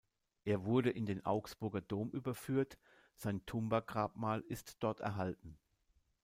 Er wurde in den Augsburger Dom überführt, sein Tumba-Grabmal ist dort erhalten.